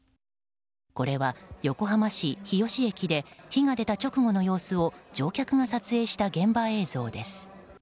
これは、横浜市日吉駅で火が出た直後の様子を乗客が撮影した現場映像です。